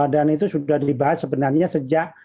dan itu sudah dibahas sebenarnya sejak